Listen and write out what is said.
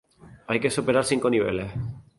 Hay que superar cinco niveles.